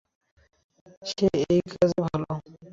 সে এই কাজে ভালো।